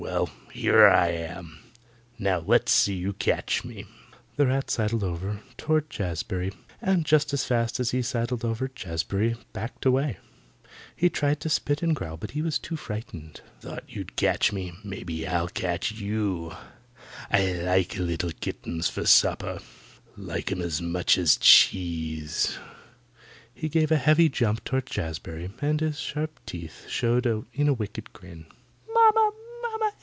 Well, here I am! Now let's see you catch me." The rat sidled over toward Jazbury, and just as fast as he sidled over Jazbury backed away. He tried to spit and growl, but he was too frightened. [Illustration: The rat looked at him with a wicked grin] "Thought you'd catch me! Maybe I'll catch you. I like little kittens for supper. Like 'em as much as cheese." He gave a heavy jump toward Jazbury, and his sharp teeth showed in a wicked grin. "Momma! Momma!